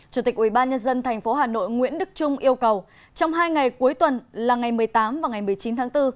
chủ tịch ubnd tp hà nội nguyễn đức trung yêu cầu trong hai ngày cuối tuần là ngày một mươi tám và ngày một mươi chín tháng bốn